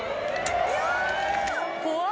怖い！